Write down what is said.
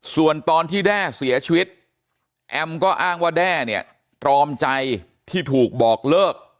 ส่วนตอนที่แด้เสียชีวิตแอมก็อ้างว่าแด้เนี่ยตรอมใจที่ถูกบอกเลิก